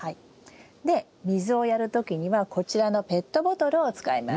で水をやる時にはこちらのペットボトルを使います。